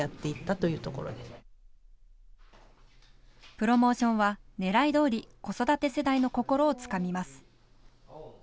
プロモーションは狙いどおり子育て世代の心をつかみます。